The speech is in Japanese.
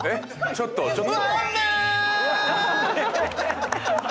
ちょっとちょっと。